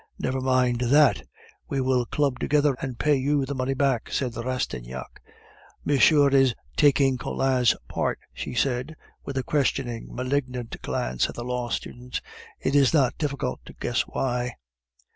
"Never mind that! we will club together and pay you the money back," said Rastignac. "Monsieur is taking Collin's part" she said, with a questioning, malignant glance at the law student; "it is not difficult to guess why."